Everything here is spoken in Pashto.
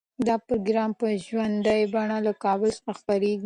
دا پروګرام په ژوندۍ بڼه له کابل څخه خپریږي.